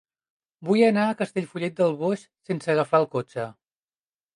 Vull anar a Castellfollit del Boix sense agafar el cotxe.